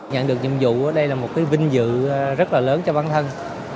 nhận được nhiệm vụ đây là một cái vinh dự rất là lớn cho bản thân